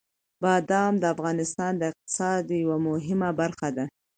بادام د افغانستان د اقتصاد یوه مهمه برخه ده.